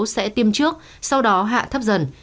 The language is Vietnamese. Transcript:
sẽ tiêm trước sau đó hạ thấp dần